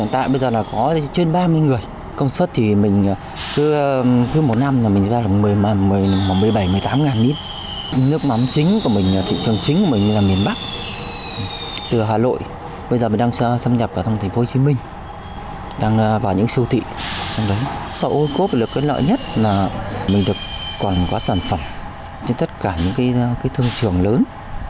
trong đó ô khúc là cái lợi nhất là mình được quản quả sản phẩm trên tất cả những thương trường lớn